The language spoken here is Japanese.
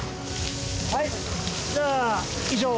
はいじゃ以上！